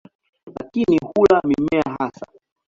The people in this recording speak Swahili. Lakini hula mimea hasa.